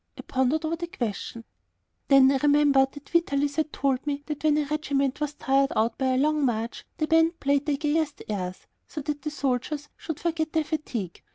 I pondered over the question. Then I remembered that Vitalis had told me that when a regiment was tired out by a long march, the band played the gayest airs so that the soldiers should forget their fatigue.